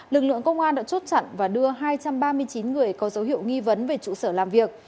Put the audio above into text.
lực lượng công an đã chốt chặn và đưa hai trăm ba mươi chín người có dấu hiệu nghi vấn về trụ sở làm việc